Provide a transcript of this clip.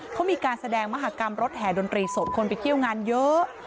เขามีการแสดงมหากรรมรถแห่ดนตรีสดคนไปเที่ยวงานเยอะ